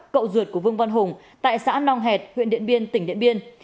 cậu ruột của vương văn hùng tại xã nong hẹt huyện điện biên tỉnh điện biên